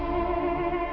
pada hari itu